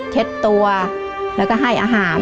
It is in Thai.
เช็ดตัวแล้วก็ให้อาหาร